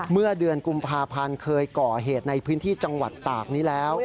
เมื่อเดือนกุมภาพันธ์เคยก่อเหตุในพื้นที่จังหวัดตากนี้แล้ว